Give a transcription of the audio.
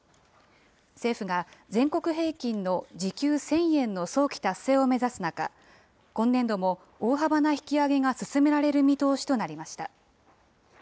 政府が全国平均の時給１０００円の早期達成を目指す中、今年度も大幅な引き上げが進められる見通しとなりました。